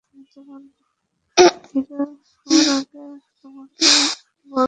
Hero হওয়ার আগে তোমাকে আরও বড় হতে হবে।